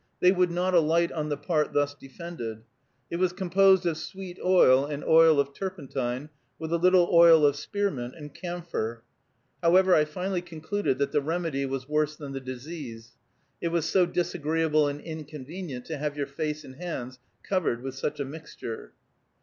They would not alight on the part thus defended. It was composed of sweet oil and oil of turpentine, with a little oil of spearmint, and camphor. However, I finally concluded that the remedy was worse than the disease. It was so disagreeable and inconvenient to have your face and hands covered with such a mixture.